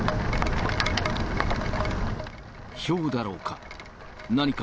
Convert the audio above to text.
ひょうだろうか。